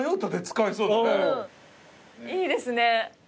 いいですね。